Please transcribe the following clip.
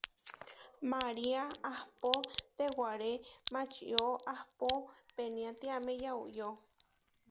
María ahpó tewaré mačió ahpó peniátiame yauyó.